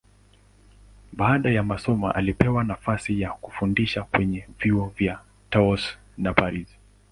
Baada ya masomo alipewa nafasi ya kufundisha kwenye vyuo vya Tours na Paris.